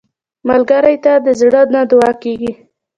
ملګری ته د زړه نه دعا کېږي